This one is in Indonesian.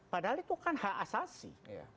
padahal itu kan hak asasi